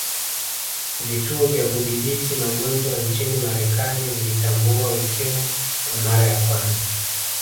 vituo vya Kudhibiti magonjwa nchini marekani vilitambua ukimwi kwa mara ya kwanza